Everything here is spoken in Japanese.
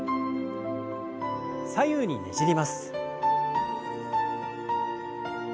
左右にねじります。